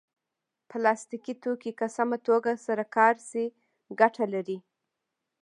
پلاستيکي توکي که سمه توګه سره کار شي ګټه لري.